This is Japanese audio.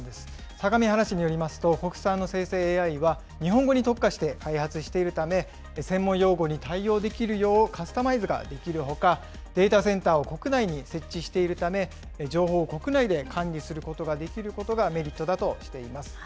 相模原市によりますと、国産の生成ＡＩは日本語に特化して開発しているため、専門用語に対応できるようカスタマイズができるほか、データセンターを国内に設置しているため、情報を国内で管理することができることがメリットだとしています。